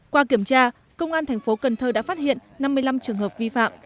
qua kiểm tra công an tp cn đã phát hiện năm mươi năm trường hợp vi phạm